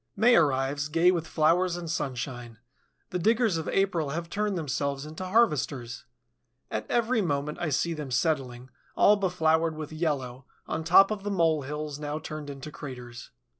May arrives, gay with flowers and sunshine. The diggers of April have turned themselves into harvesters. At every moment I see them settling, all befloured with yellow, on top of the mole hills now turned into craters.